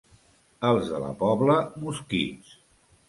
Els de la Pobla, mosquits.